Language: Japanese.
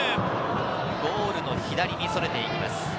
ゴールの左にそれていきます。